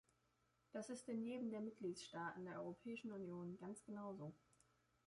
Das ist in jedem der Mitgliedstaaten der Europäischen Union ganz genau so.